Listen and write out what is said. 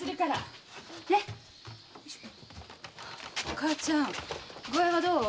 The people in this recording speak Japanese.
母ちゃん具合はどう？